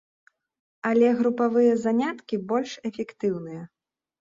Але групавыя заняткі больш эфектыўныя.